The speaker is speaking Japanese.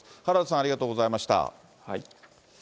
原田さん、ありがとうございました。